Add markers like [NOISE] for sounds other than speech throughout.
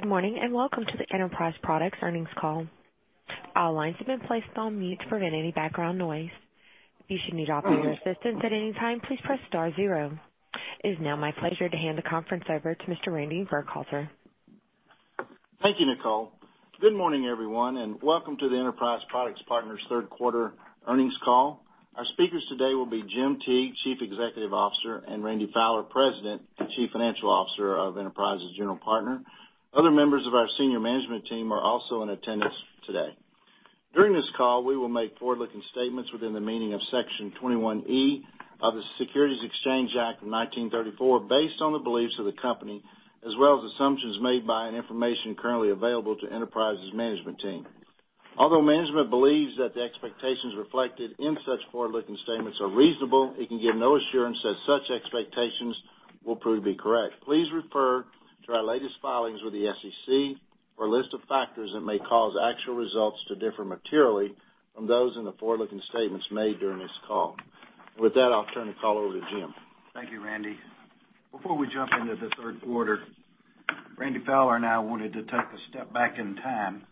Good morning, welcome to the Enterprise Products earnings call. All lines have been placed on mute to prevent any background noise. If you should need operator assistance at any time, please press star zero. It is now my pleasure to hand the conference over to Mr. Randy Fowler. Thank you, Nicole. Good morning, everyone, welcome to the Enterprise Products Partners third quarter earnings call. Our speakers today will be Jim Teague, Chief Executive Officer, and Randy Fowler, President and Chief Financial Officer of Enterprise's general partner. Other members of our senior management team are also in attendance today. During this call, we will make forward-looking statements within the meaning of Section 21E of the Securities Exchange Act of 1934, based on the beliefs of the company, as well as assumptions made by and information currently available to Enterprise's management team. Although management believes that the expectations reflected in such forward-looking statements are reasonable, it can give no assurance that such expectations will prove to be correct. Please refer to our latest filings with the SEC for a list of factors that may cause actual results to differ materially from those in the forward-looking statements made during this call. With that, I'll turn the call over to Jim. Thank you, Randy. Before we jump into the third quarter, Randy Fowler and I wanted to take a step back in time.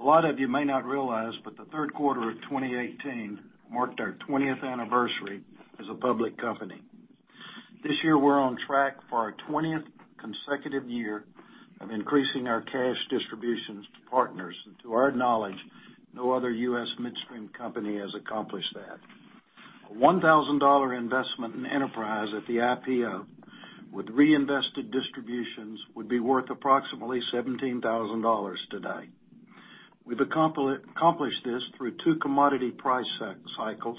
A lot of you may not realize, but the third quarter of 2018 marked our 20th anniversary as a public company. This year, we're on track for our 20th consecutive year of increasing our cash distributions to partners. To our knowledge, no other U.S. midstream company has accomplished that. A $1,000 investment in Enterprise at the IPO with reinvested distributions would be worth approximately $17,000 today. We've accomplished this through two commodity price cycles,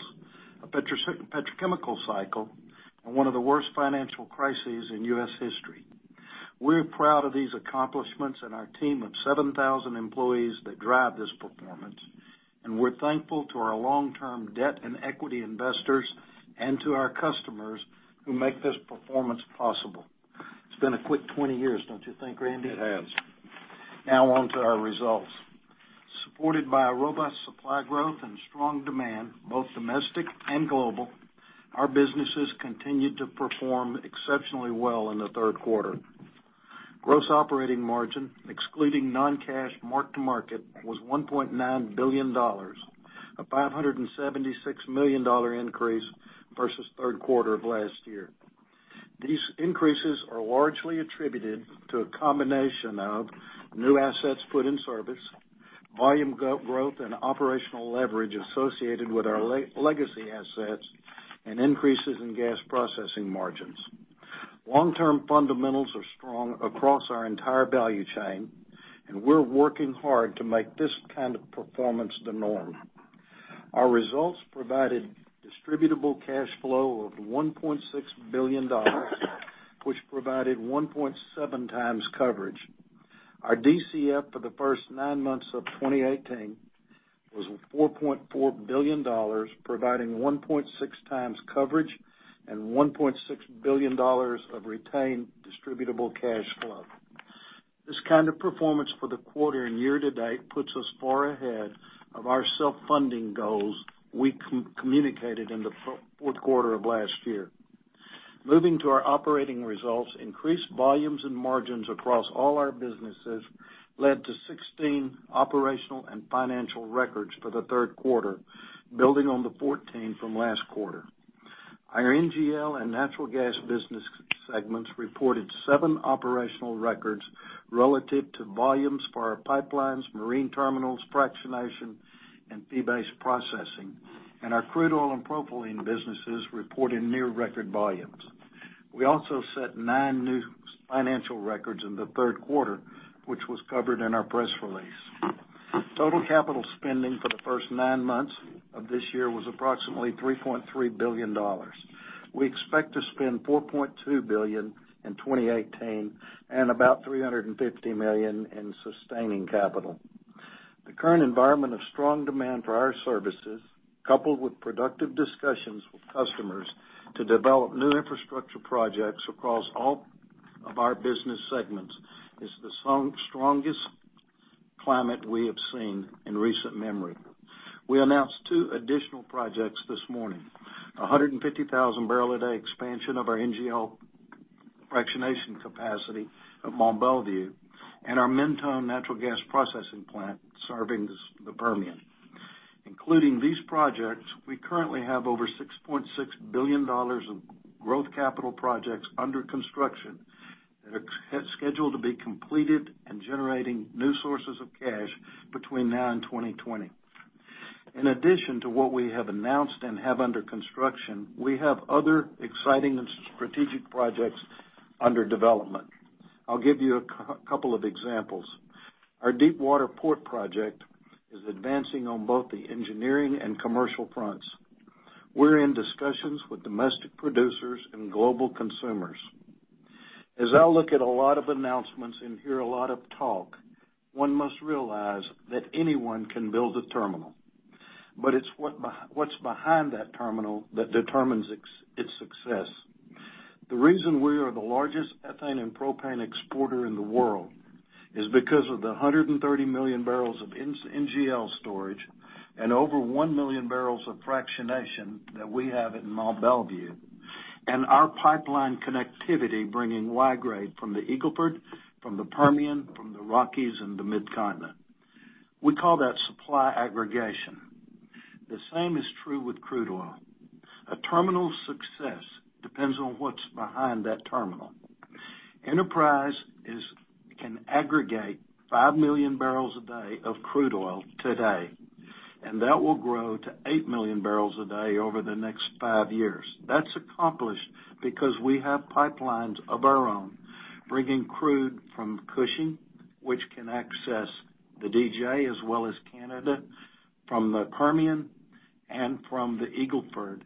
a petrochemical cycle, and one of the worst financial crises in U.S. history. We're proud of these accomplishments and our team of 7,000 employees that drive this performance. We're thankful to our long-term debt and equity investors and to our customers who make this performance possible. It's been a quick 20 years, don't you think, Randy? It has. On to our results. Supported by a robust supply growth and strong demand, both domestic and global, our businesses continued to perform exceptionally well in the third quarter. Gross operating margin, excluding non-cash mark-to-market, was $1.9 billion, a $576 million increase versus third quarter of last year. These increases are largely attributed to a combination of new assets put in service, volume growth and operational leverage associated with our legacy assets, and increases in gas processing margins. Long-term fundamentals are strong across our entire value chain, and we're working hard to make this kind of performance the norm. Our results provided distributable cash flow of $1.6 billion, which provided 1.7 times coverage. Our DCF for the first nine months of 2018 was $4.4 billion, providing 1.6 times coverage and $1.6 billion of retained distributable cash flow. This kind of performance for the quarter and year-to-date puts us far ahead of our self-funding goals we communicated in the fourth quarter of last year. Moving to our operating results, increased volumes and margins across all our businesses led to 16 operational and financial records for the third quarter, building on the 14 from last quarter. Our NGL and natural gas business segments reported seven operational records relative to volumes for our pipelines, marine terminals, fractionation, and fee-based processing. Our crude oil and propylene businesses reported near-record volumes. We also set nine new financial records in the third quarter, which was covered in our press release. Total capital spending for the first nine months of this year was approximately $3.3 billion. We expect to spend $4.2 billion in 2018 and about $350 million in sustaining capital. The current environment of strong demand for our services, coupled with productive discussions with customers to develop new infrastructure projects across all of our business segments, is the strongest climate we have seen in recent memory. We announced two additional projects this morning, a 150,000-barrel-a-day expansion of our NGL fractionation capacity at Mont Belvieu and our Mentone natural gas processing plant serving the Permian. Including these projects, we currently have over $6.6 billion of growth capital projects under construction that are scheduled to be completed and generating new sources of cash between now and 2020. In addition to what we have announced and have under construction, we have other exciting and strategic projects under development. I'll give you a couple of examples. Our deepwater port project is advancing on both the engineering and commercial fronts. We're in discussions with domestic producers and global consumers. As I look at a lot of announcements and hear a lot of talk, one must realize that anyone can build a terminal, but it's what's behind that terminal that determines its success. The reason we are the largest ethane and propane exporter in the world is because of the 130 million barrels of NGL storage and over 1 million barrels of fractionation that we have in Mont Belvieu, and our pipeline connectivity bringing Y-grade from the Eagle Ford, from the Permian, from the Rockies, and the Mid-Continent. We call that supply aggregation. The same is true with crude oil. A terminal's success depends on what's behind that terminal. Enterprise can aggregate 5 million barrels a day of crude oil today, that will grow to 8 million barrels a day over the next 5 years. That's accomplished because we have pipelines of our own, bringing crude from Cushing, which can access the DJ, as well as Canada, from the Permian, and from the Eagle Ford.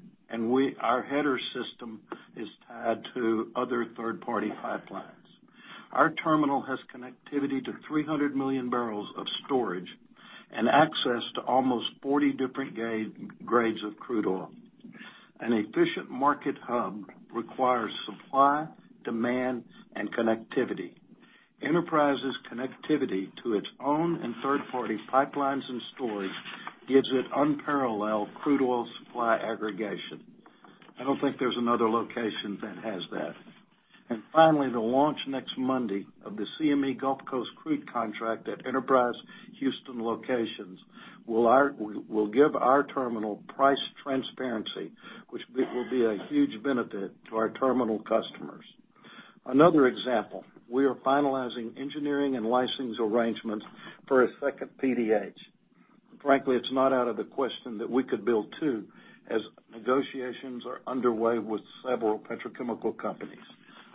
Our header system is tied to other third-party pipelines. Our terminal has connectivity to 300 million barrels of storage and access to almost 40 different grades of crude oil. An efficient market hub requires supply, demand, and connectivity. Enterprise's connectivity to its own and third-party pipelines and storage gives it unparalleled crude oil supply aggregation. I don't think there's another location that has that. Finally, the launch next Monday of the CME Gulf Coast Crude Contract at Enterprise Houston locations will give our terminal price transparency, which will be a huge benefit to our terminal customers. Another example, we are finalizing engineering and licensing arrangements for a second PDH. Frankly, it's not out of the question that we could build 2, as negotiations are underway with several petrochemical companies.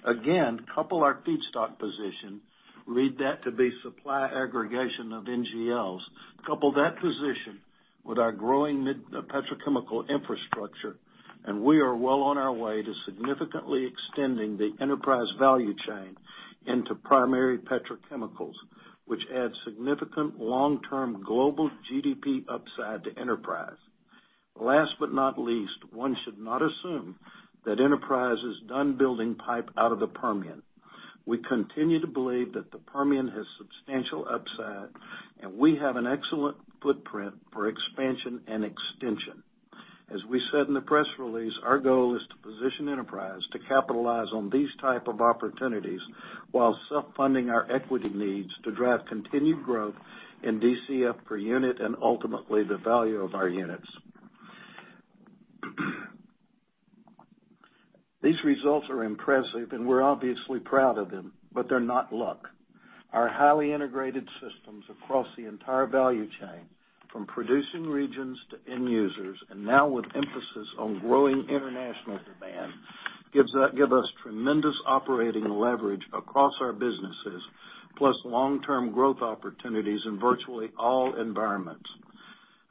Again, couple our feedstock position, lead that to be supply aggregation of NGLs. Couple that position with our growing petrochemical infrastructure, we are well on our way to significantly extending the Enterprise value chain into primary petrochemicals, which adds significant long-term global GDP upside to Enterprise. Last but not least, one should not assume that Enterprise is done building pipe out of the Permian. We continue to believe that the Permian has substantial upside, we have an excellent footprint for expansion and extension. As we said in the press release, our goal is to position Enterprise to capitalize on these type of opportunities while self-funding our equity needs to drive continued growth in DCF per unit, and ultimately, the value of our units. These results are impressive. We're obviously proud of them, but they're not luck. Our highly integrated systems across the entire value chain, from producing regions to end users, now with emphasis on growing international demand, give us tremendous operating leverage across our businesses, plus long-term growth opportunities in virtually all environments.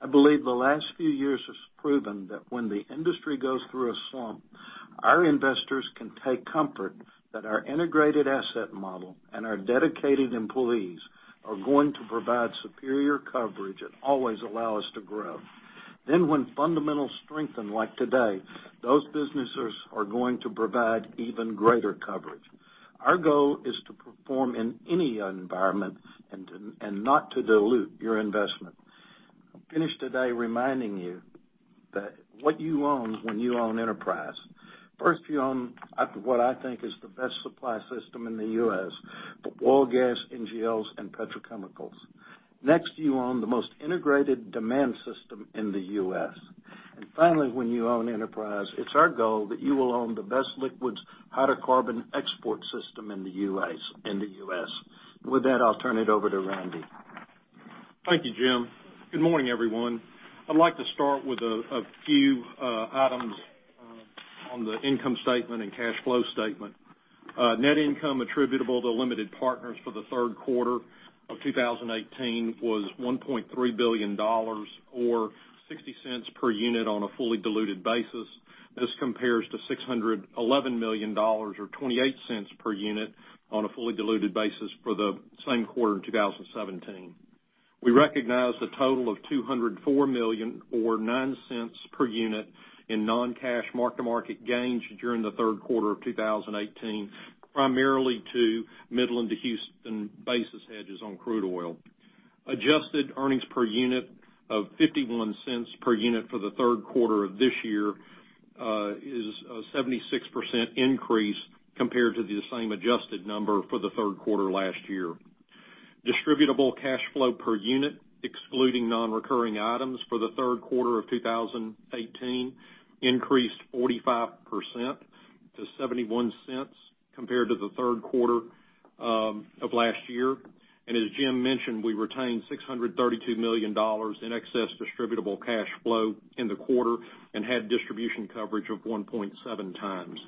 I believe the last few years has proven that when the industry goes through a slump, our investors can take comfort that our integrated asset model and our dedicated employees are going to provide superior coverage and always allow us to grow. When fundamentals strengthen like today, those businesses are going to provide even greater coverage. Our goal is to perform in any environment and not to dilute your investment. I'll finish today reminding you that what you own when you own Enterprise. First, you own what I think is the best supply system in the U.S. for oil, gas, NGLs, and petrochemicals. Next, you own the most integrated demand system in the U.S. Finally, when you own Enterprise, it's our goal that you will own the best liquids hydrocarbon export system in the U.S. With that, I'll turn it over to Randy. Thank you, Jim. Good morning, everyone. I'd like to start with a few items on the income statement and cash flow statement. Net income attributable to limited partners for the third quarter of 2018 was $1.3 billion, or $0.60 per unit on a fully diluted basis. This compares to $611 million or $0.28 per unit on a fully diluted basis for the same quarter in 2017. We recognized a total of $204 million or $0.09 per unit in non-cash mark-to-market gains during the third quarter of 2018, primarily to Midland to Houston basis hedges on crude oil. Adjusted earnings per unit of $0.51 per unit for the third quarter of this year, is a 76% increase compared to the same adjusted number for the third quarter last year. Distributable cash flow per unit, excluding non-recurring items for the third quarter of 2018 increased 45% to $0.71 compared to the third quarter of last year. As Jim mentioned, we retained $632 million in excess distributable cash flow in the quarter and had distribution coverage of 1.7 times.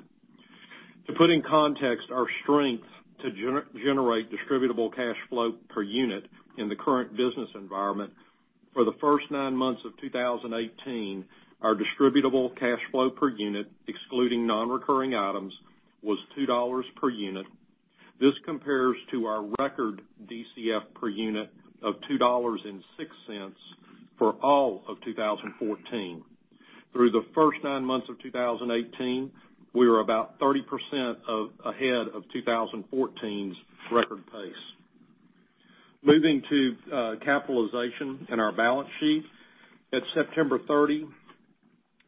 To put in context our strength to generate distributable cash flow per unit in the current business environment, for the first nine months of 2018, our distributable cash flow per unit, excluding non-recurring items, was $2 per unit. This compares to our record DCF per unit of $2.06 for all of 2014. Through the first nine months of 2018, we were about 30% ahead of 2014's record pace. Moving to capitalization and our balance sheet. At September 30,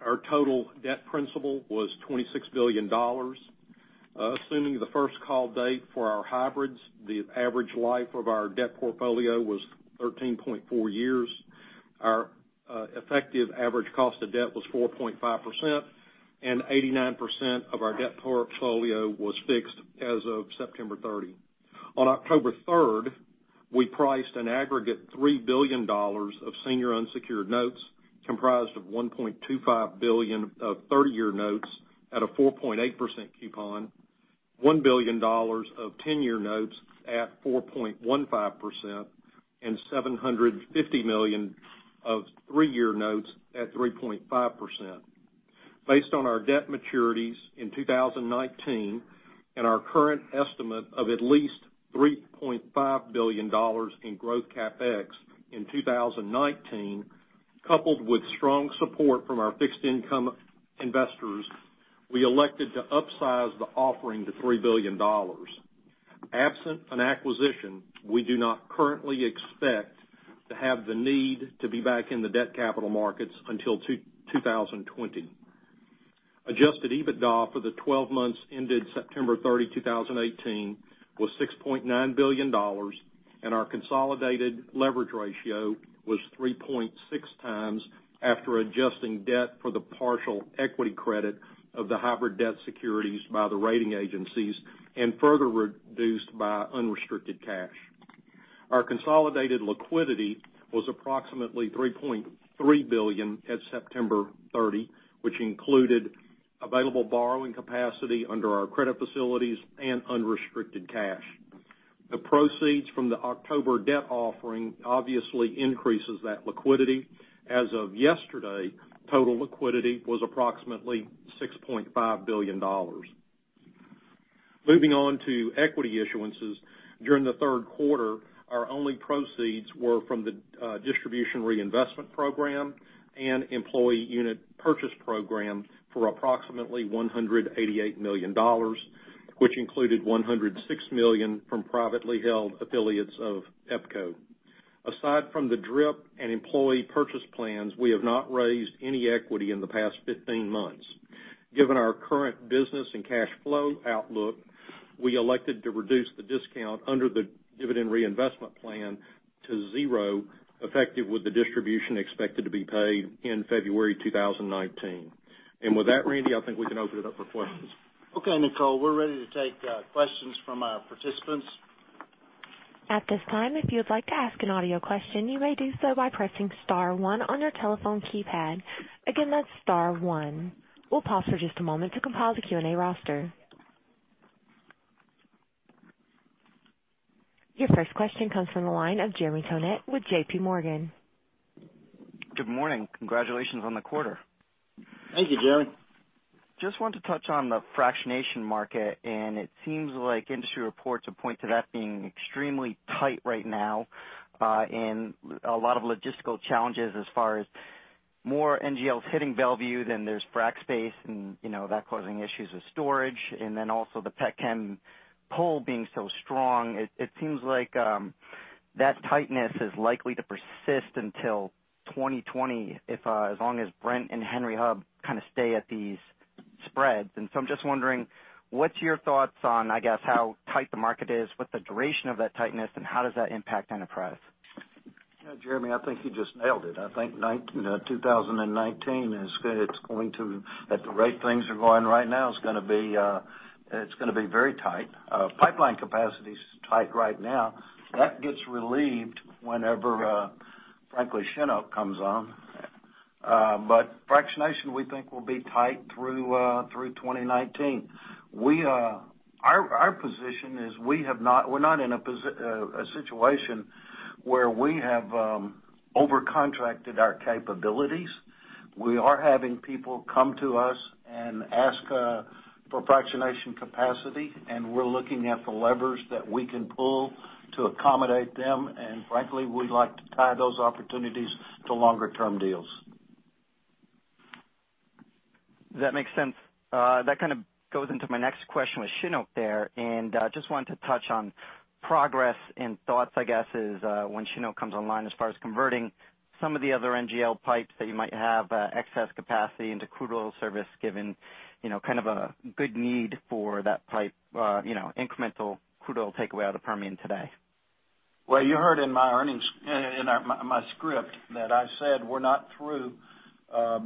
our total debt principal was $26 billion. Assuming the first call date for our hybrids, the average life of our debt portfolio was 13.4 years. Our effective average cost of debt was 4.5%, and 89% of our debt portfolio was fixed as of September 30. On October 3rd, we priced an aggregate $3 billion of senior unsecured notes, comprised of $1.25 billion of 30-year notes at a 4.8% coupon, $1 billion of 10-year notes at 4.15%, and $750 million of three-year notes at 3.5%. Based on our debt maturities in 2019 and our current estimate of at least $3.5 billion in growth CapEx in 2019, coupled with strong support from our fixed income investors, we elected to upsize the offering to $3 billion. Absent an acquisition, we do not currently expect to have the need to be back in the debt capital markets until 2020. Adjusted EBITDA for the 12 months ended September 30, 2018, was $6.9 billion, and our consolidated leverage ratio was 3.6 times after adjusting debt for the partial equity credit of the hybrid debt securities by the rating agencies, and further reduced by unrestricted cash. Our consolidated liquidity was approximately $3.3 billion at September 30, which included available borrowing capacity under our credit facilities and unrestricted cash. The proceeds from the October debt offering obviously increases that liquidity. As of yesterday, total liquidity was approximately $6.5 billion. Moving on to equity issuances. During the third quarter, our only proceeds were from the distribution reinvestment program and employee unit purchase program for approximately $188 million, which included $106 million from privately held affiliates of EPCO. Aside from the drip and employee purchase plans, we have not raised any equity in the past 15 months. Given our current business and cash flow outlook, we elected to reduce the discount under the dividend reinvestment plan to zero, effective with the distribution expected to be paid in February 2019. With that, Randy, I think we can open it up for questions. Okay, Nicole. We're ready to take questions from our participants. At this time, if you would like to ask an audio question, you may do so by pressing star one on your telephone keypad. Again, that's star one. We'll pause for just a moment to compile the Q&A roster. Your first question comes from the line of Jeremy Tonet with JPMorgan. Good morning. Congratulations on the quarter. Thank you, Jeremy. Just wanted to touch on the fractionation market, and it seems like industry reports have pointed to that being extremely tight right now. A lot of logistical challenges as far as more NGLs hitting Mont Belvieu than there's frac space, and that causing issues with storage, and then also the pet chem pull being so strong. It seems like that tightness is likely to persist until 2020, as long as Brent and Henry Hub kind of stay at these spreads. I'm just wondering, what's your thoughts on, I guess, how tight the market is, what the duration of that tightness, and how does that impact Enterprise? Yeah, Jeremy, I think you just nailed it. I think 2019, at the rate things are going right now, it's going to be very tight. Pipeline capacity's tight right now. That gets relieved whenever, frankly, Shinook comes on. Fractionation, we think, will be tight through 2019. Our position is we're not in a situation where we have over-contracted our capabilities. We are having people come to us and ask for fractionation capacity, and we're looking at the levers that we can pull to accommodate them. Frankly, we'd like to tie those opportunities to longer-term deals. That makes sense. That kind of goes into my next question with Shinook there. Just wanted to touch on progress and thoughts, I guess, when Shinook comes online as far as converting some of the other NGL pipes that you might have excess capacity into crude oil service, given kind of a good need for that pipe, incremental crude oil takeaway out of Permian today. Well, you heard in my script that I said we're not through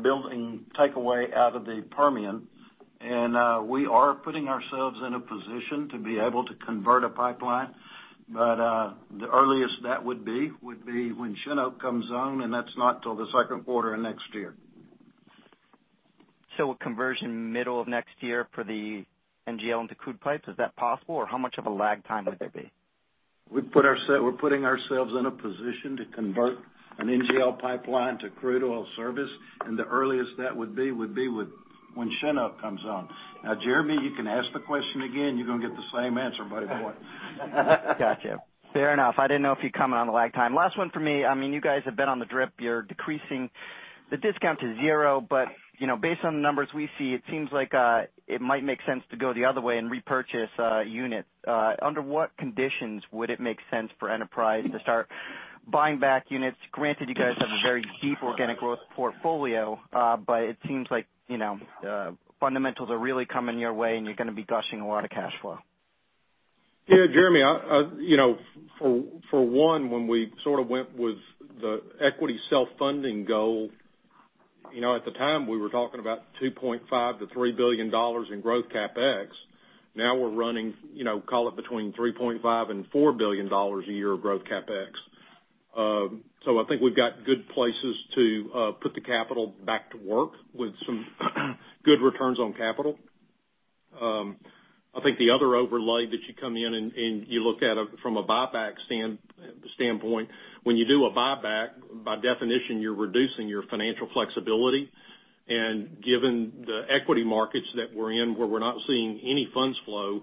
building takeaway out of the Permian. We are putting ourselves in a position to be able to convert a pipeline. The earliest that would be would be when Shinook comes on, and that's not till the second quarter of next year. A conversion middle of next year for the NGL into crude pipes. Is that possible? How much of a lag time would there be? We're putting ourselves in a position to convert an NGL pipeline to crude oil service. The earliest that would be would be when Shinook comes on. Jeremy, you can ask the question again, you're going to get the same answer, buddy boy. Got you. Fair enough. I didn't know if you'd comment on the lag time. Last one for me. You guys have been on the drip. You're decreasing the discount to zero. Based on the numbers we see, it seems like it might make sense to go the other way and repurchase units. Under what conditions would it make sense for Enterprise to start buying back units? Granted, you guys have a very deep organic growth portfolio. It seems like fundamentals are really coming your way, and you're going to be gushing a lot of cash flow. Jeremy, for one, when we sort of went with the equity self-funding goal, at the time, we were talking about $2.5 billion to $3 billion in growth CapEx. We're running, call it between $3.5 billion and $4 billion a year of growth CapEx. I think we've got good places to put the capital back to work with some good returns on capital. I think the other overlay that you come in and you look at from a buyback standpoint, when you do a buyback, by definition, you're reducing your financial flexibility. Given the equity markets that we're in where we're not seeing any funds flow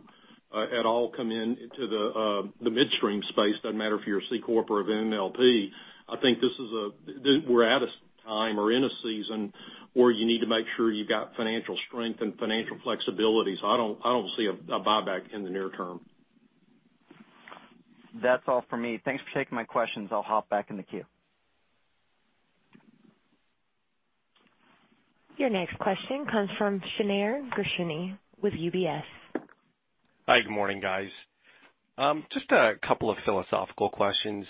at all come in into the midstream space, doesn't matter if you're a C corp or an MLP, I think we're at a time or in a season where you need to make sure you've got financial strength and financial flexibility. I don't see a buyback in the near term. That's all for me. Thanks for taking my questions. I will hop back in the queue. Your next question comes from Shneur Gershuni with UBS. Hi, good morning, guys. Just a couple of philosophical questions.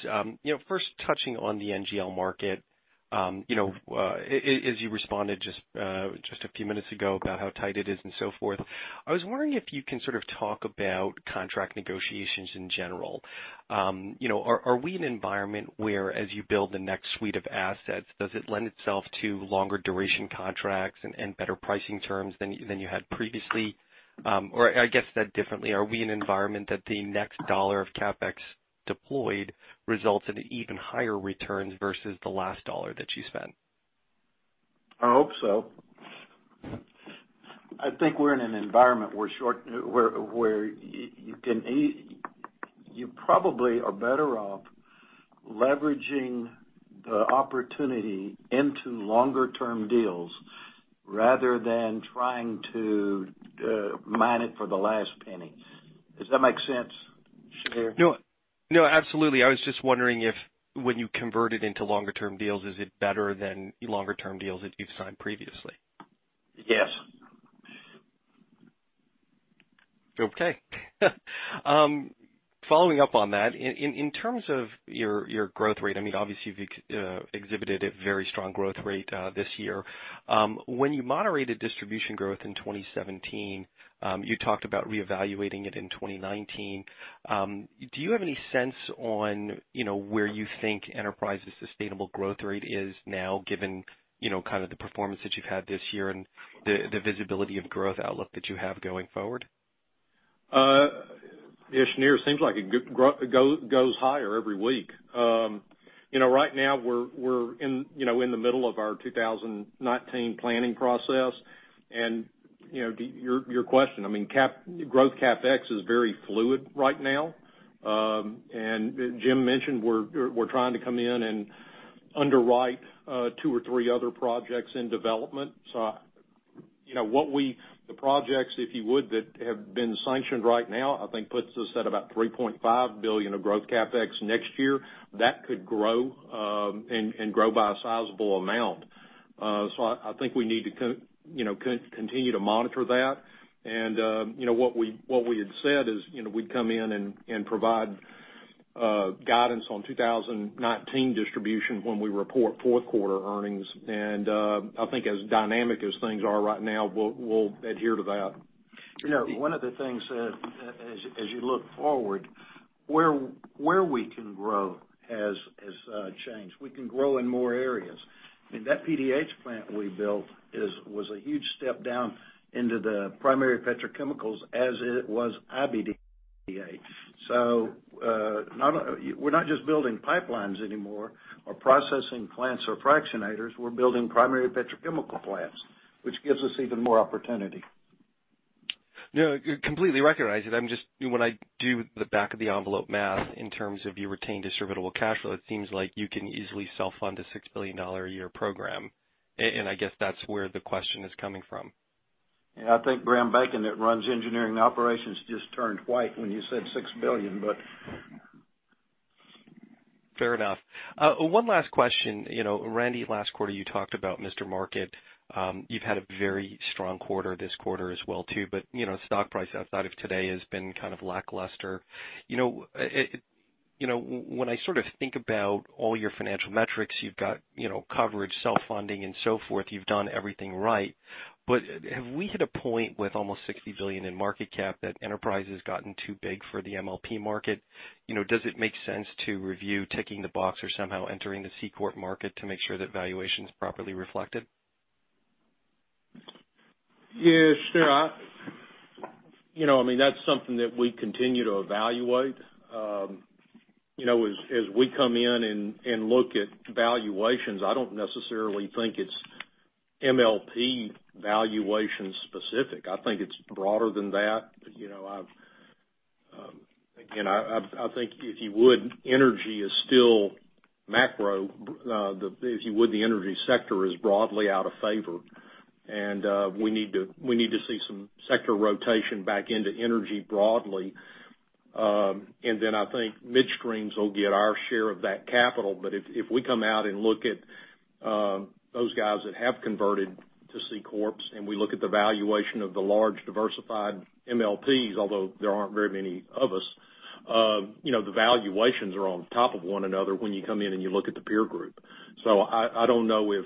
First touching on the NGL market. As you responded just a few minutes ago about how tight it is and so forth, I was wondering if you can sort of talk about contract negotiations in general. Are we in an environment where as you build the next suite of assets, does it lend itself to longer duration contracts and better pricing terms than you had previously? I guess said differently, are we in an environment that the next dollar of CapEx deployed results in even higher returns versus the last dollar that you spent? I hope so. I think we are in an environment where you probably are better off leveraging the opportunity into longer-term deals rather than trying to mine it for the last penny. Does that make sense, Shneur? No, absolutely. I was just wondering if when you convert it into longer-term deals, is it better than longer-term deals that you've signed previously? Yes. Okay. Following up on that, in terms of your growth rate, obviously you've exhibited a very strong growth rate this year. When you moderated distribution growth in 2017, you talked about reevaluating it in 2019. Do you have any sense on where you think Enterprise's sustainable growth rate is now given kind of the performance that you've had this year and the visibility of growth outlook that you have going forward? Yeah, Shneur, seems like it goes higher every week. Right now we're in the middle of our 2019 planning process. To your question, growth CapEx is very fluid right now. Jim mentioned we're trying to come in and underwrite two or three other projects in development. The projects, if you would, that have been sanctioned right now, I think puts us at about $3.5 billion of growth CapEx next year. That could grow, and grow by a sizable amount. I think we need to continue to monitor that. What we had said is we'd come in and provide guidance on 2019 distribution when we report fourth quarter earnings. I think as dynamic as things are right now, we'll adhere to that. One of the things as you look forward, where we can grow has changed. We can grow in more areas. That PDH plant we built was a huge step down into the primary petrochemicals as it was IBDA. We're not just building pipelines anymore or processing plants or fractionators. We're building primary petrochemical plants, which gives us even more opportunity. Completely recognize it. When I do the back of the envelope math in terms of your retained distributable cash flow, it seems like you can easily self-fund a $6 billion a year program. I guess that's where the question is coming from. I think Graham Bacon that runs engineering operations just turned white when you said $6 billion. Fair enough. One last question. Randy, last quarter you talked about Mr. Market. You've had a very strong quarter this quarter as well too, stock price outside of today has been kind of lackluster. When I sort of think about all your financial metrics, you've got coverage, self-funding, and so forth. You've done everything right. Have we hit a point with almost $60 billion in market cap that Enterprise has gotten too big for the MLP market? Does it make sense to review ticking the box or somehow entering the C corp market to make sure that valuation's properly reflected? Sure. That's something that we continue to evaluate. As we come in and look at valuations, I don't necessarily think it's MLP valuation specific. I think it's broader than that. Again, I think if you would, energy is still macro. If you would, the energy sector is broadly out of favor, we need to see some sector rotation back into energy broadly. Then I think midstreams will get our share of that capital. If we come out and look at those guys that have converted to C corps, we look at the valuation of the large diversified MLPs, although there aren't very many of us, the valuations are on top of one another when you come in and you look at the peer group. I don't know if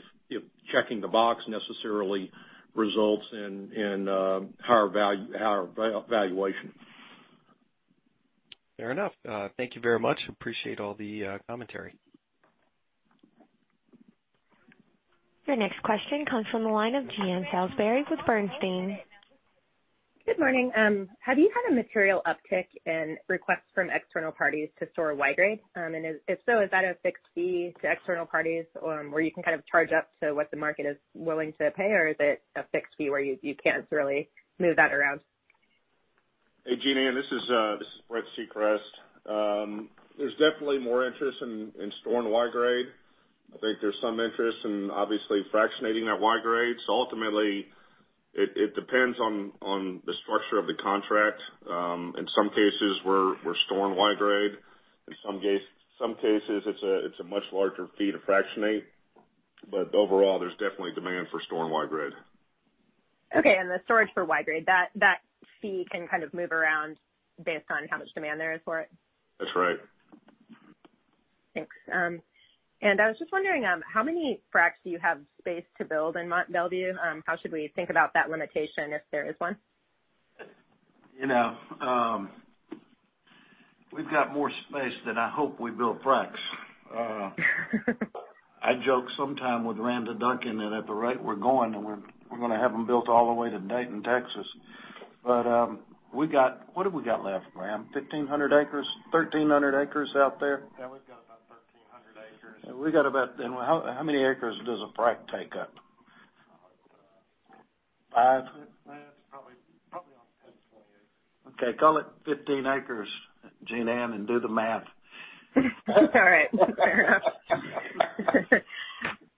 checking the box necessarily results in higher valuation. Fair enough. Thank you very much. Appreciate all the commentary. Your next question comes from the line of Jean Ann Salisbury with Bernstein. Good morning. Have you had a material uptick in requests from external parties to store Y-grade? If so, is that a fixed fee to external parties, or you can kind of charge up to what the market is willing to pay? Is it a fixed fee where you can't really move that around? Hey, Jean Ann, this is Brent Secrest. There's definitely more interest in storing Y-grade. I think there's some interest in obviously fractionating that Y-grade. Ultimately, it depends on the structure of the contract. In some cases we're storing Y-grade. In some cases it's a much larger fee to fractionate. Overall, there's definitely demand for storing Y-grade. Okay, and the storage for Y-grade, that fee can kind of move around based on how much demand there is for it? That's right. Thanks. I was just wondering, how many fracs do you have space to build in Mont Belvieu? How should we think about that limitation, if there is one? We've got more space than I hope we build fracs. I joke sometime with Randa Duncan that at the rate we're going, we're going to have them built all the way to Dayton, Texas. What have we got left, Ram? 1,500 acres, 1,300 acres out there? Yeah, we've got about 1,300 acres. How many acres does a frac take up? Five? It's probably on 10 to 20 acres. Okay, call it 15 acres, Jean Ann, and do the math. That's all right. Fair enough.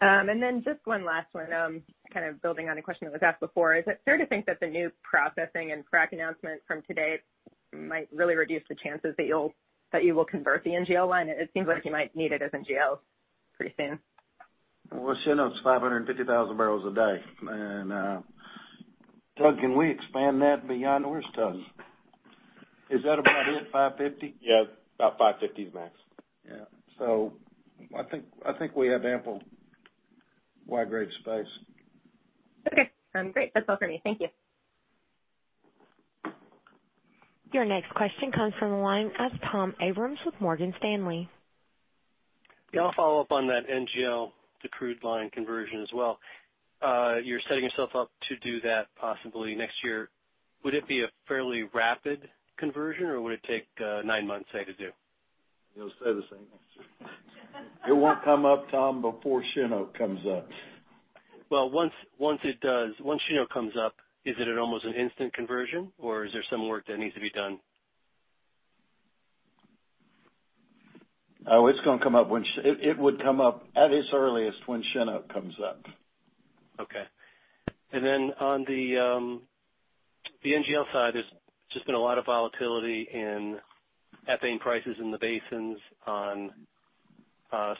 Just one last one, kind of building on a question that was asked before. Is it fair to think that the new processing and frac announcement from today might really reduce the chances that you will convert the NGL line? It seems like you might need it as NGL pretty soon. Well, Shinook's 550,000 barrels a day. Tug, can we expand that beyond? Where's Tug? Is that about it, 550? Yeah, about 550 is max. Yeah. I think we have ample Y-grade space. Okay. Great. That's all for me. Thank you. Your next question comes from the line of Tom Abrams with Morgan Stanley. Yeah, I'll follow up on that NGL to crude line conversion as well. You're setting yourself up to do that possibly next year. Would it be a fairly rapid conversion, or would it take nine months, say, to do? He'll say the same answer. It won't come up, Tom, before Cheniere comes up. Well, once Cheniere comes up, is it at almost an instant conversion, or is there some work that needs to be done? It would come up at its earliest when Cheniere comes up. Okay. Then on the NGL side, there's just been a lot of volatility in ethane prices in the basins on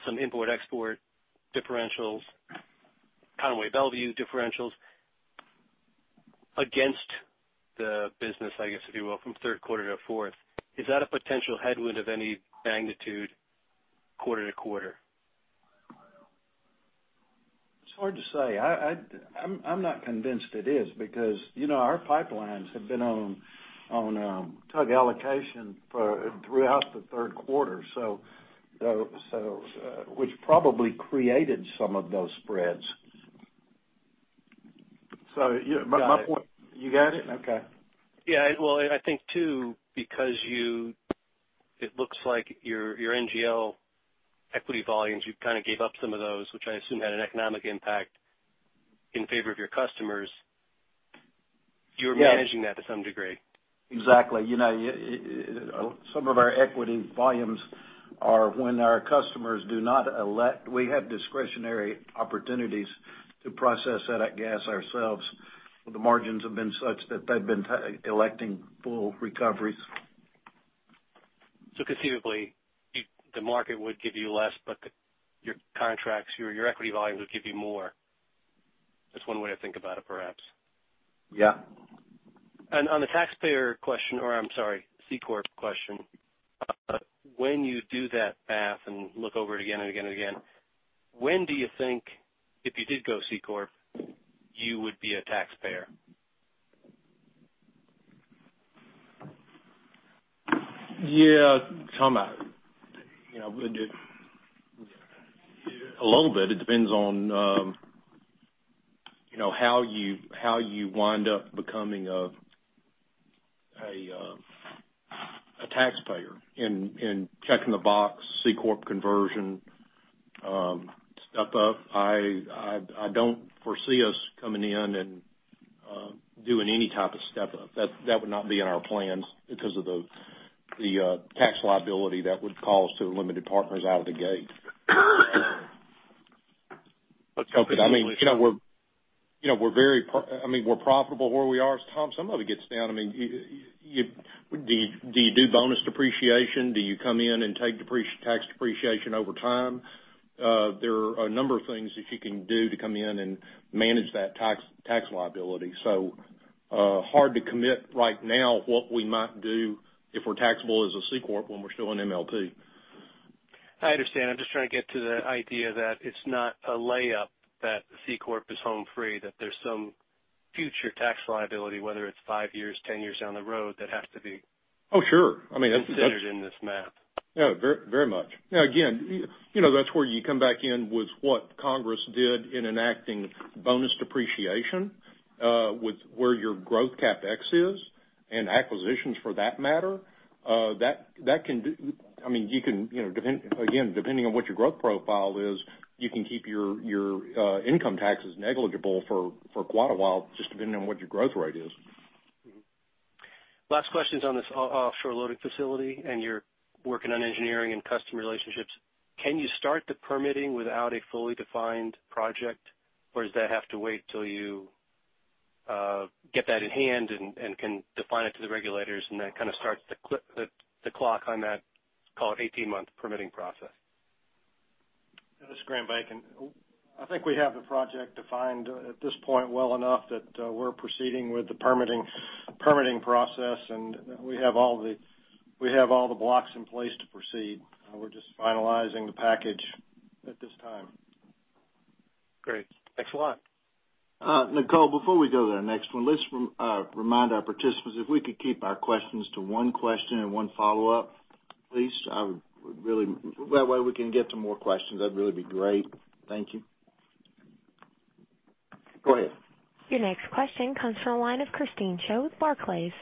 some import-export differentials, Conway, Belvieu differentials against the business, I guess if you will, from third quarter to fourth. Is that a potential headwind of any magnitude quarter-to-quarter? It's hard to say. I'm not convinced it is because our pipelines have been on Tug allocation throughout the third quarter, which probably created some of those spreads. My point. You got it? Okay. Yeah. Well, I think too, because it looks like your NGL equity volumes, you kind of gave up some of those, which I assume had an economic impact in favor of your customers. You were managing that to some degree. Exactly. Some of our equity volumes are when our customers do not elect. We have discretionary opportunities to process that gas ourselves. The margins have been such that they've been electing full recoveries. conceivably, the market would give you less, but your contracts, your equity volumes would give you more. That's one way to think about it, perhaps. Yeah. On the taxpayer question, or I'm sorry, C corp question, when you do that math and look over it again and again and again, when do you think, if you did go C corp, you would be a taxpayer? Yeah, Tom, a little bit. It depends on how you wind up becoming a taxpayer in checking the box C corp conversion step up. I don't foresee us coming in and doing any type of step up. That would not be in our plans because of the tax liability that would cause to the limited partners out of the gate. But- We're profitable where we are. Tom, somebody gets down. Do you do bonus depreciation? Do you come in and take tax depreciation over time? There are a number of things that you can do to come in and manage that tax liability. Hard to commit right now what we might do if we're taxable as a C corp when we're still an MLP. I understand. I'm just trying to get to the idea that it's not a layup, that the C corp is home free, that there's some future tax liability, whether it's five years, 10 years down the road, that has to be Oh, sure considered in this math. Yeah, very much. Now again, that's where you come back in with what Congress did in enacting bonus depreciation, with where your growth CapEx is, and acquisitions for that matter. Again, depending on what your growth profile is, you can keep your income taxes negligible for quite a while, just depending on what your growth rate is. Last question is on this offshore loading facility, you're working on engineering and customer relationships. Can you start the permitting without a fully defined project, or does that have to wait till you get that in hand and can define it to the regulators, and that kind of starts the clock on that, call it 18-month permitting process? This is Graham Bacon. I think we have the project defined at this point well enough that we're proceeding with the permitting process, we have all the blocks in place to proceed. We're just finalizing the package at this time. Great. Thanks a lot. Nicole, before we go to the next one, let's remind our participants, if we could keep our questions to one question and one follow-up, please. That way we can get to more questions. That'd really be great. Thank you. Go ahead. Your next question comes from the line of Christine Cho with Barclays.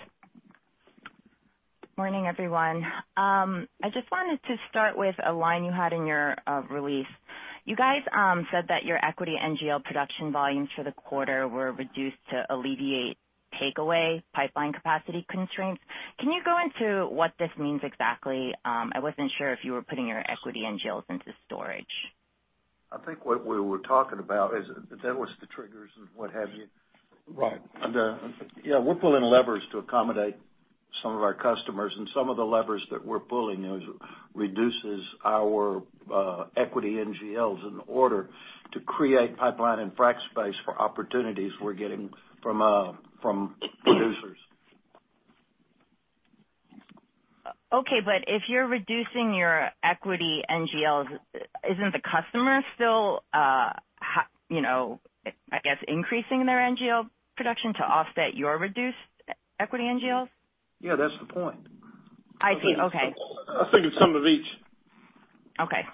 Morning, everyone. I just wanted to start with a line you had in your release. You guys said that your equity NGL production volumes for the quarter were reduced to alleviate takeaway pipeline capacity constraints. Can you go into what this means exactly? I wasn't sure if you were putting your equity NGLs into storage. I think what we were talking about is that was the triggers and what have you. Right. Yeah, we're pulling levers to accommodate some of our customers, and some of the levers that we're pulling reduces our equity NGLs in order to create pipeline and frack space for opportunities we're getting from producers. Okay, if you're reducing your equity NGLs, isn't the customer still, I guess, increasing their NGL production to offset your reduced equity NGLs? Yeah, that's the point. I see. Okay. I think it's some of each. Okay.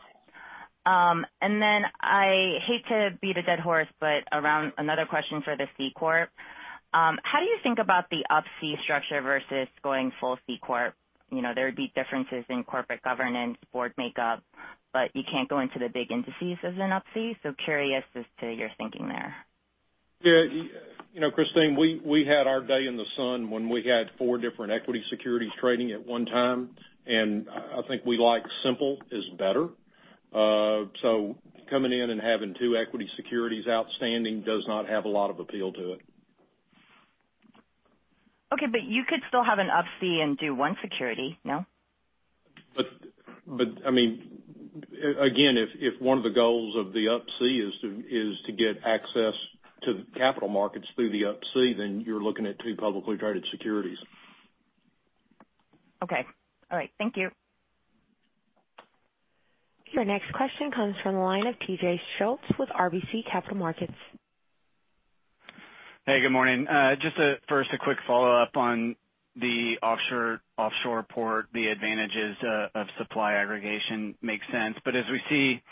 I hate to beat a dead horse, around another question for the C corp. How do you think about the Up C structure versus going full C corp? There would be differences in corporate governance, board makeup, you can't go into the big indices as an Up C, so curious as to your thinking there. Yeah. Christine, we had our day in the sun when we had four different equity securities trading at one time, I think we like simple is better. Coming in and having two equity securities outstanding does not have a lot of appeal to it. Okay, you could still have an Up C and do one security, no? Again, if one of the goals of the Up C is to get access to the capital markets through the Up C, then you're looking at two publicly traded securities. Okay. All right. Thank you. Your next question comes from the line of T.J. Schultz with RBC Capital Markets. Hey, good morning. Just first, a quick follow-up on the offshore port. The advantages of supply aggregation makes sense. As we see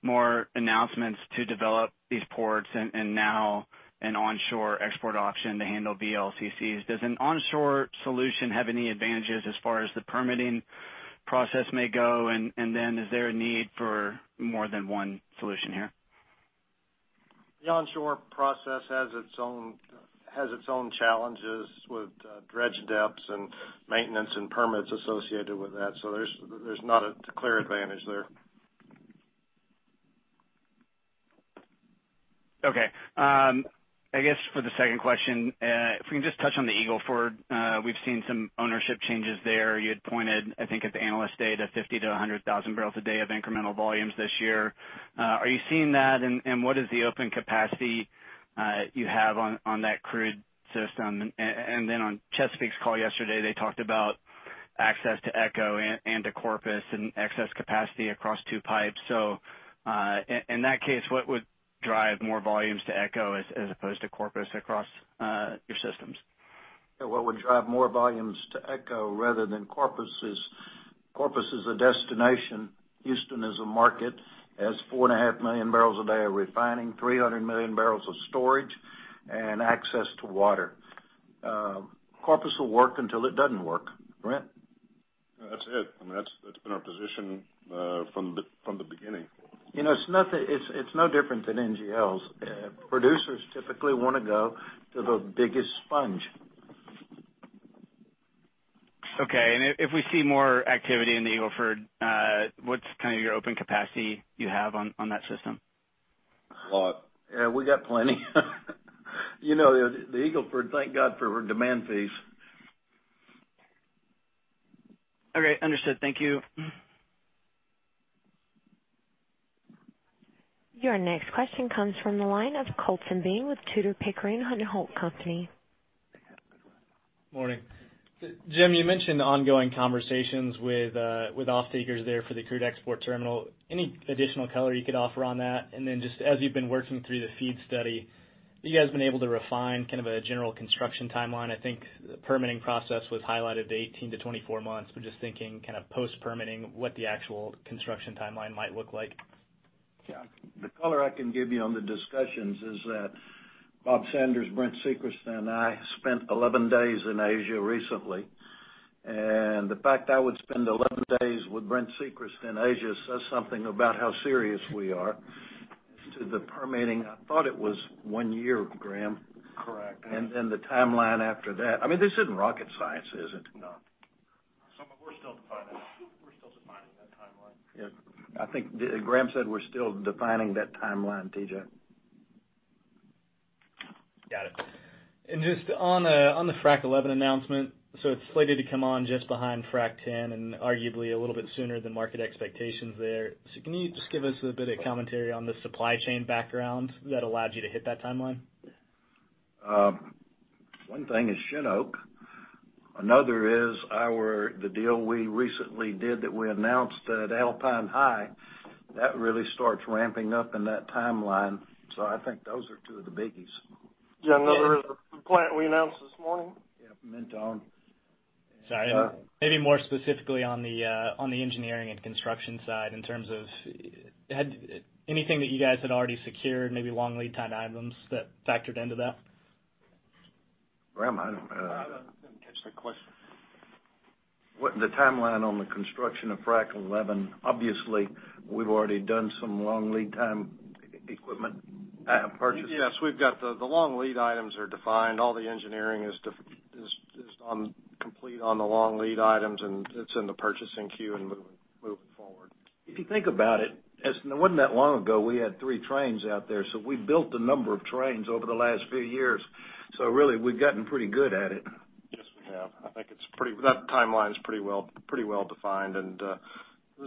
more announcements to develop these ports and now an onshore export option to handle VLCCs, does an onshore solution have any advantages as far as the permitting process may go? Is there a need for more than one solution here? The onshore process has its own challenges with dredge depths and maintenance and permits associated with that. There's not a clear advantage there. Okay. I guess for the second question, if we can just touch on the Eagle Ford. We've seen some ownership changes there. You had pointed, I think, at the Analyst Day to 50-100,000 barrels a day of incremental volumes this year. Are you seeing that, and what is the open capacity you have on that crude system? On Chesapeake's call yesterday, they talked about access to ECHO and to Corpus and excess capacity across two pipes. In that case, what would drive more volumes to ECHO as opposed to Corpus across your systems? Yeah, what would drive more volumes to ECHO rather than Corpus is Corpus is a destination. Houston is a market, has 4.5 million barrels a day of refining, 300 million barrels of storage, and access to water. Corpus will work until it doesn't work. Brent? That's it. I mean, that's been our position from the beginning. It's no different than NGLs. Producers typically want to go to the biggest sponge. Okay. If we see more activity in the Eagle Ford, what's kind of your open capacity you have on that system? A lot. Yeah, we got plenty. The Eagle Ford, thank God for demand fees. Okay, understood. Thank you. Your next question comes from the line of Colton Bean with Tudor, Pickering, Holt & Co. Morning. Jim, you mentioned ongoing conversations with off-takers there for the crude export terminal. Any additional color you could offer on that? Just as you've been working through the FEED study, have you guys been able to refine kind of a general construction timeline? I think the permitting process was highlighted to 18-24 months, but just thinking kind of post-permitting, what the actual construction timeline might look like. Yeah. The color I can give you on the discussions is that Bob Sanders, Brent Secrest, and I spent 11 days in Asia recently. The fact I would spend 11 days with Brent Secrest in Asia says something about how serious we are. As to the permitting, I thought it was one year, Graham. Correct. The timeline after that, I mean, this isn't rocket science, is it? No. We're still defining that timeline. I think Graham said we're still defining that timeline, T.J. Got it. Just on the Frac XI announcement, it's slated to come on just behind Frac 10 and arguably a little bit sooner than market expectations there. Can you just give us a bit of commentary on the supply chain background that allowed you to hit that timeline? One thing is Chinook. Another is the deal we recently did that we announced at Alpine High. That really starts ramping up in that timeline. I think those are two of the biggies. Yeah. Another is the plant we announced this morning. Yeah, Mentone. Sorry. Maybe more specifically on the engineering and construction side, in terms of anything that you guys had already secured, maybe long lead time items that factored into that. Graham? I didn't catch that question. The timeline on the construction of Frac XI. Obviously, we've already done some long lead time equipment purchases. Yes. The long lead items are defined. All the engineering is complete on the long lead items, and it's in the purchasing queue and moving forward. If you think about it wasn't that long ago, we had three trains out there, so we built a number of trains over the last few years. Really, we've gotten pretty good at it. Yes, we have. I think that timeline is pretty well defined. The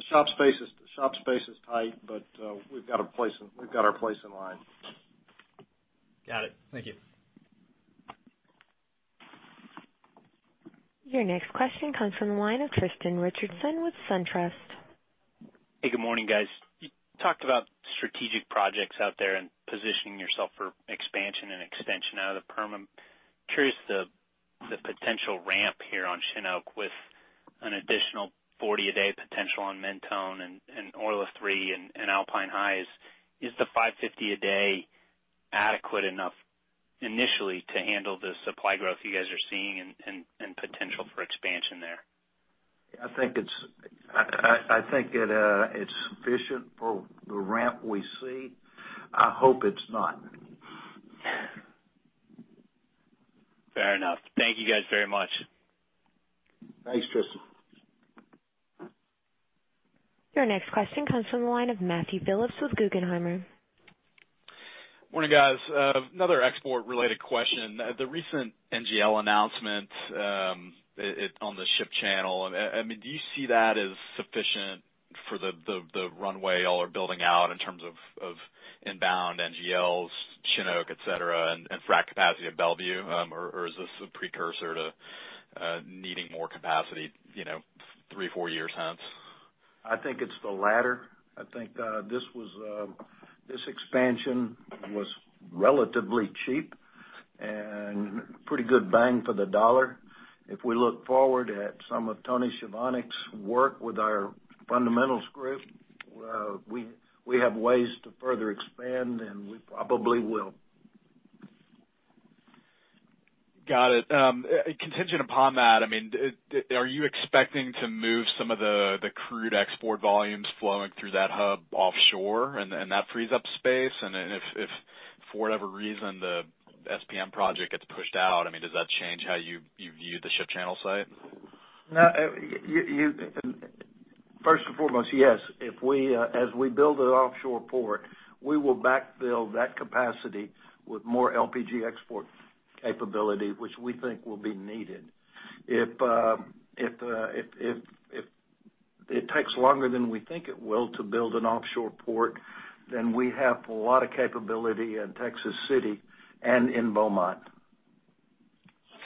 shop space is tight, but we've got our place in line. Got it. Thank you. Your next question comes from the line of Tristan Richardson with SunTrust. Hey, good morning, guys. You talked about strategic projects out there and positioning yourself for expansion and extension out of the Permian. Curious, the potential ramp here on Shinook with an additional 40 a day potential on Mentone and Orla 3 and Alpine High. Is the 550 a day adequate enough initially to handle the supply growth you guys are seeing and potential for expansion there? I think it's sufficient for the ramp we see. I hope it's not. Fair enough. Thank you guys very much. Thanks, Tristan. Your next question comes from the line of Matthew Phillips with Guggenheim. Morning, guys. Another export-related question. The recent NGL announcement on the Ship Channel, do you see that as sufficient for the runway, all are building out in terms of inbound NGLs, Shinook, et cetera, and Frac capacity at Bellevue? Or is this a precursor to needing more capacity three, four years hence? I think it's the latter. I think this expansion was relatively cheap and pretty good bang for the dollar. If we look forward at some of Anthony Chovanec's work with our fundamentals group, we have ways to further expand, and we probably will. Got it. Contingent upon that, are you expecting to move some of the crude export volumes flowing through that hub offshore and that frees up space? If for whatever reason, the SPM project gets pushed out, does that change how you view the Ship Channel site? First and foremost, yes. As we build an offshore port, we will backfill that capacity with more LPG export capability, which we think will be needed. If it takes longer than we think it will to build an offshore port, we have a lot of capability in Texas City and in Beaumont.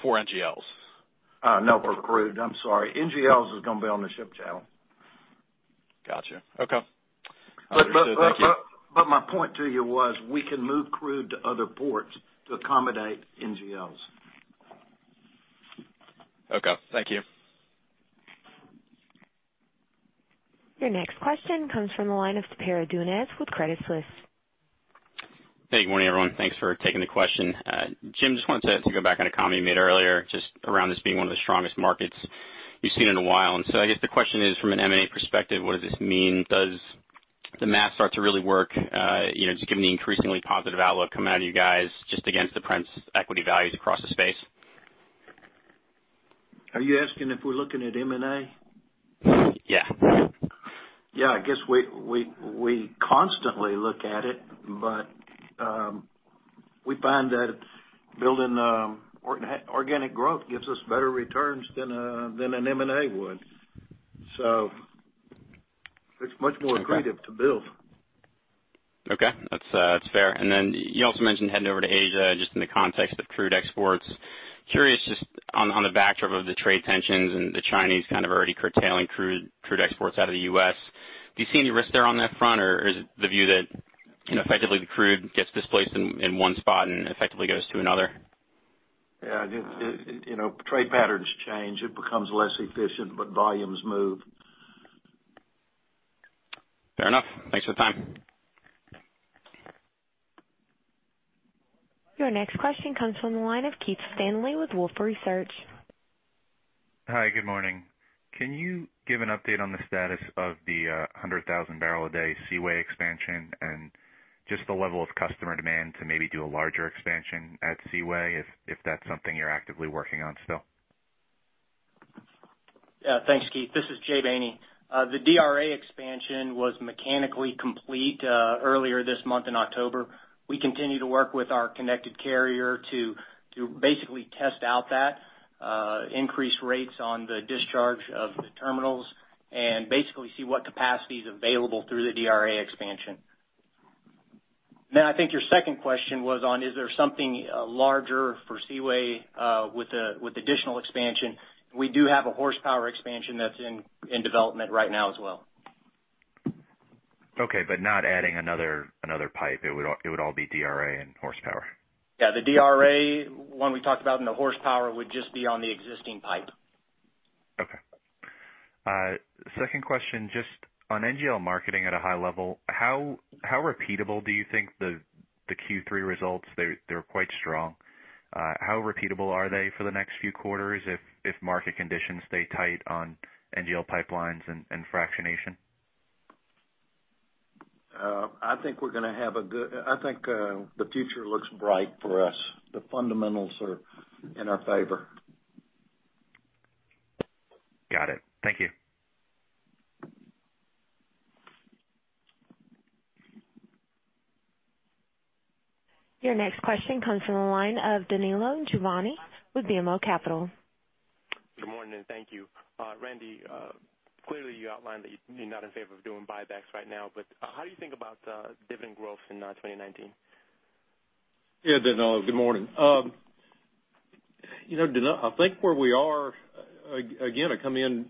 For NGLs? No, for crude. I'm sorry. NGLs is going to be on the Ship Channel. Got you. Okay. My point to you was we can move crude to other ports to accommodate NGLs. Okay. Thank you. Your next question comes from the line of Spiro Dounis with Credit Suisse. Hey, good morning, everyone. Thanks for taking the question. Jim, just wanted to go back on a comment you made earlier, just around this being one of the strongest markets you've seen in a while. I guess the question is from an M&A perspective, what does this mean? Does the math start to really work, just given the increasingly positive outlook coming out of you guys just against the current equity values across the space? Are you asking if we're looking at M&A? Yeah. Yeah, I guess we constantly look at it, but we find that building organic growth gives us better returns than an M&A would. It's much more. Okay attractive to build. Okay. That's fair. Then you also mentioned heading over to Asia just in the context of crude exports. Curious just on the backdrop of the trade tensions and the Chinese kind of already curtailing crude exports out of the U.S., do you see any risk there on that front or is it the view that effectively the crude gets displaced in one spot and effectively goes to another? Yeah. Trade patterns change. It becomes less efficient, but volumes move. Fair enough. Thanks for the time. Your next question comes from the line of Keith Stanley with Wolfe Research. Hi, good morning. Can you give an update on the status of the 100,000 barrel a day Seaway expansion and just the level of customer demand to maybe do a larger expansion at Seaway if that's something you're actively working on still? Yeah. Thanks, Keith. This is Jay Bailey. The DRA expansion was mechanically complete earlier this month in October. We continue to work with our connected carrier to basically test out that, increase rates on the discharge of the terminals, and basically see what capacity is available through the DRA expansion. I think your second question was on, is there something larger for Seaway with additional expansion? We do have a horsepower expansion that's in development right now as well. Okay. Not adding another pipe. It would all be DRA and horsepower. Yeah, the DRA one we talked about and the horsepower would just be on the existing pipe. Okay. Second question, just on NGL marketing at a high level, how repeatable do you think the Q3 results? They were quite strong. How repeatable are they for the next few quarters if market conditions stay tight on NGL pipelines and fractionation? I think the future looks bright for us. The fundamentals are in our favor. Got it. Thank you. Your next question comes from the line of Danilo Giovanni with BMO Capital. Good morning, thank you. Randy, clearly you outlined that you're not in favor of doing buybacks right now. How do you think about dividend growth in 2019? Yeah, Danilo, good morning. Danilo, I think where we are, again,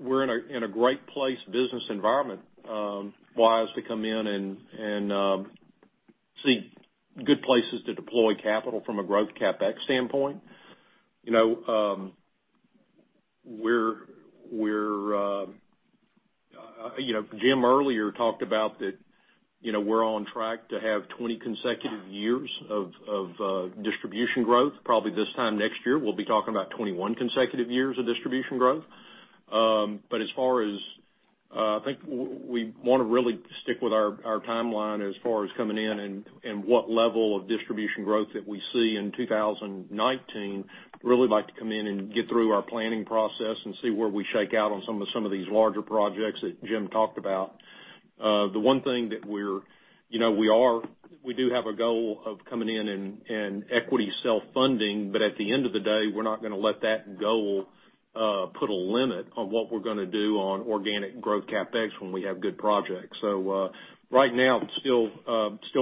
we're in a great place business environment-wise to come in and see good places to deploy capital from a growth CapEx standpoint. Jim earlier talked about that we're on track to have 20 consecutive years of distribution growth. Probably this time next year, we'll be talking about 21 consecutive years of distribution growth. I think we want to really stick with our timeline as far as coming in and what level of distribution growth that we see in 2019. Really like to come in and get through our planning process and see where we shake out on some of these larger projects that Jim talked about. The one thing that we do have a goal of coming in and equity self-funding, but at the end of the day, we're not going to let that goal put a limit on what we're going to do on organic growth CapEx when we have good projects. Right now, still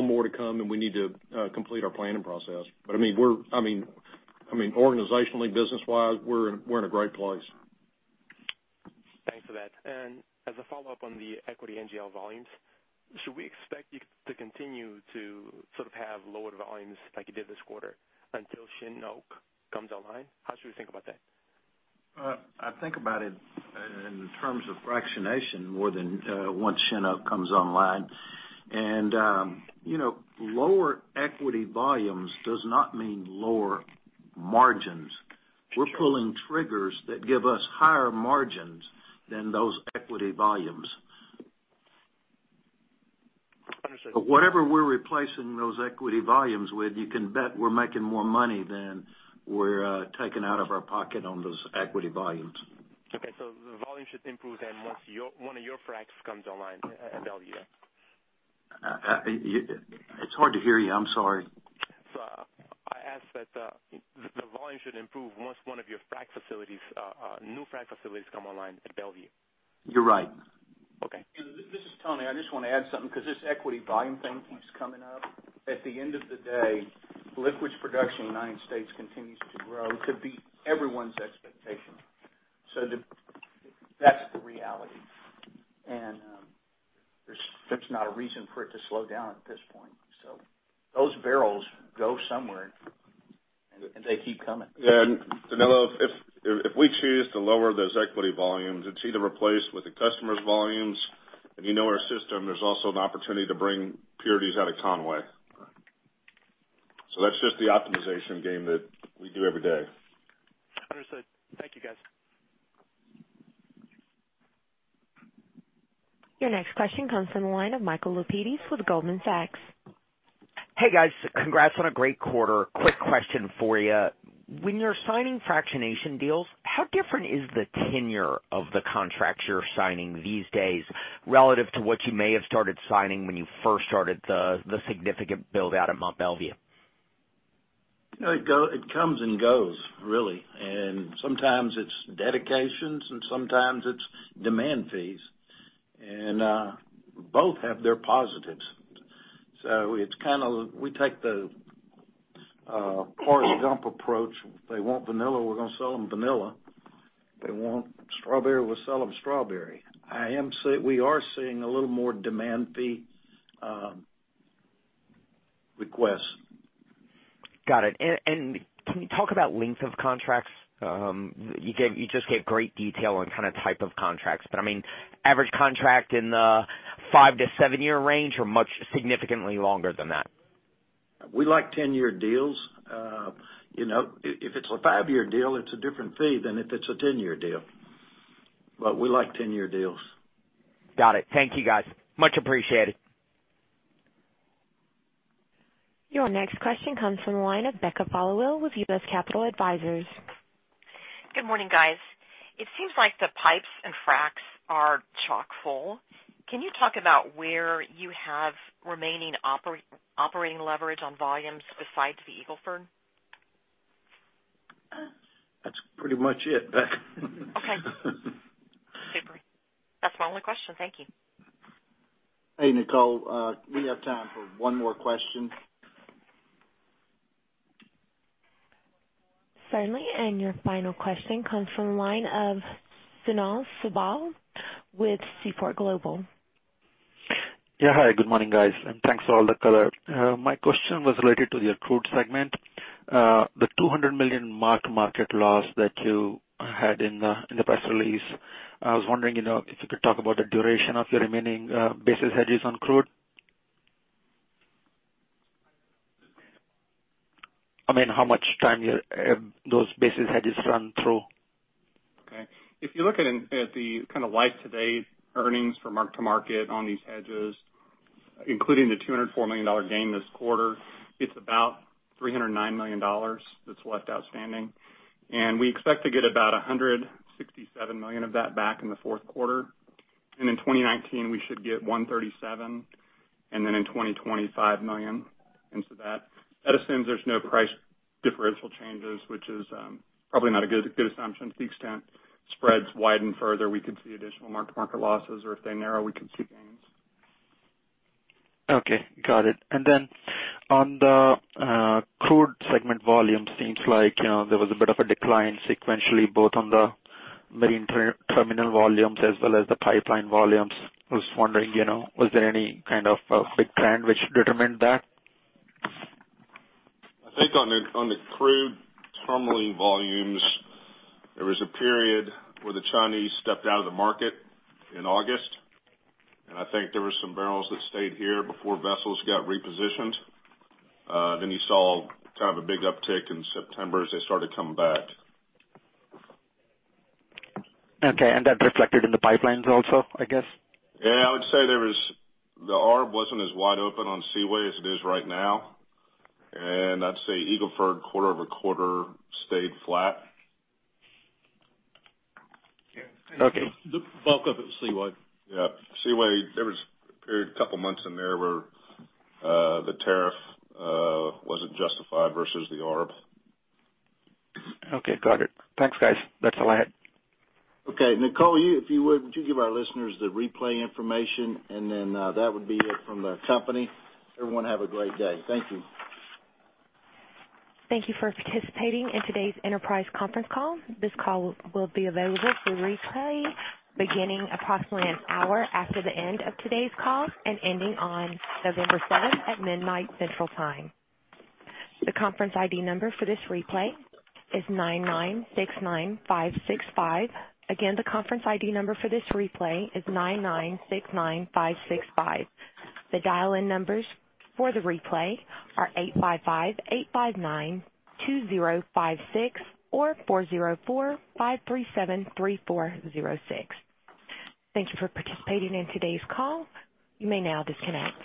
more to come, and we need to complete our planning process. Organizationally, business-wise, we're in a great place. Thanks for that. As a follow-up on the equity NGL volumes, should we expect you to continue to sort of have lower volumes like you did this quarter until Cheniere comes online? How should we think about that? I think about it in terms of fractionation more than once Cheniere comes online. Lower equity volumes does not mean lower margins. Sure. We're pulling triggers that give us higher margins than those equity volumes. Understood. whatever we're replacing those equity volumes with, you can bet we're making more money than we're taking out of our pocket on those equity volumes. Okay. The volume should improve then once one of your fracs comes online at Mont Belvieu. It's hard to hear you. I'm sorry. I asked that the volume should improve once one of your new frac facilities come online at Mont Belvieu. You're right. Okay. This is Tony. I just want to add something because this equity volume thing keeps coming up. At the end of the day. Liquids production in the U.S. continues to grow to beat everyone's expectations. That's the reality, and there's not a reason for it to slow down at this point. Those barrels go somewhere, and they keep coming. Yeah, Danilo, if we choose to lower those equity volumes, it's either replaced with the customer's volumes, if you know our system, there's also an opportunity to bring purities out of Conway. That's just the optimization game that we do every day. Understood. Thank you, guys. Your next question comes from the line of Michael Blum with Goldman Sachs. Hey, guys. Congrats on a great quarter. Quick question for you. When you're signing fractionation deals, how different is the tenure of the contracts you're signing these days relative to what you may have started signing when you first started the significant build-out at Mont Belvieu? It comes and goes, really. Sometimes it's dedications, and sometimes it's demand fees. Both have their positives. We take the [INAUDIBLE] approach. If they want vanilla, we're going to sell them vanilla. They want strawberry, we'll sell them strawberry. We are seeing a little more demand fee requests. Got it. Can you talk about length of contracts? You just gave great detail on kind of type of contracts, but I mean, average contract in the five to seven-year range or much significantly longer than that? We like 10-year deals. If it's a five-year deal, it's a different fee than if it's a 10-year deal. We like 10-year deals. Got it. Thank you, guys. Much appreciated. Your next question comes from the line of Becca Followill with U.S. Capital Advisors. Good morning, guys. It seems like the pipes and fracs are chock full. Can you talk about where you have remaining operating leverage on volumes besides the Eagle Ford? That's pretty much it, Becca. Okay. Super. That's my only question. Thank you. Hey, Nicole. We have time for one more question. Finally, your final question comes from the line of Sunil Sibal with Seaport Global. Yeah. Hi, good morning, guys, and thanks for all the color. My question was related to your crude segment. The $200 million mark-to-market loss that you had in the press release. I was wondering if you could talk about the duration of your remaining basis hedges on crude. How much time those basis hedges run through? Okay. If you look at the kind of life to date earnings for mark-to-market on these hedges, including the $204 million gain this quarter, it's about $309 million that's left outstanding. We expect to get about $167 million of that back in the fourth quarter. In 2019, we should get $137 million. Then in 2020, $5 million into that. That assumes there's no price differential changes, which is probably not a good assumption to the extent spreads widen further, we could see additional mark-to-market losses, or if they narrow, we could see gains. Okay. Got it. On the crude segment volume, seems like there was a bit of a decline sequentially, both on the marine terminal volumes as well as the pipeline volumes. I was wondering, was there any kind of a big trend which determined that? I think on the crude terminal volumes, there was a period where the Chinese stepped out of the market in August, I think there were some barrels that stayed here before vessels got repositioned. You saw kind of a big uptick in September as they started coming back. Okay, that reflected in the pipelines also, I guess? Yeah, I would say the arb wasn't as wide open on Seaway as it is right now. I'd say Eagle Ford quarter-over-quarter stayed flat. Okay. The bulk of it was Seaway. Yeah. Seaway, there was a period, a couple of months in there where the tariff wasn't justified versus the arb. Okay, got it. Thanks, guys. That's all I had. Okay, Nicole, if you would you give our listeners the replay information? That would be it from the company. Everyone have a great day. Thank you. Thank you for participating in today's Enterprise conference call. This call will be available for replay beginning approximately an hour after the end of today's call and ending on November seventh at midnight Central Time. The conference ID number for this replay is 9969565. Again, the conference ID number for this replay is 9969565. The dial-in numbers for the replay are 855-859-2056 or 404-537-3406. Thank you for participating in today's call. You may now disconnect.